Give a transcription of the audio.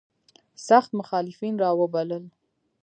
سخت مخالفین را وبلل.